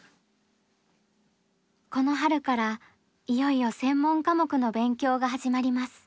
この春からいよいよ専門科目の勉強が始まります。